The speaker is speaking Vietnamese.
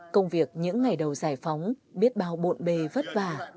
công việc những ngày đầu giải phóng biết bao bộn bề vất vả